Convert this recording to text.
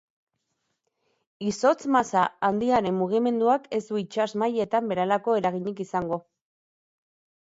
Izotz-masa handiaren mugimenduak ez du itsas mailetan berehalako eraginik izango.